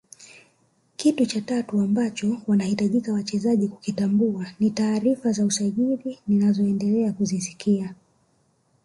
Kitu cha tatu ambacho wanatakiwa wachezaji kukitambua ni taarifa za usajili ninazoendelea kuzisikia